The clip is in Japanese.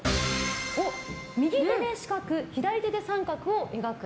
右手で四角左手で三角を描く。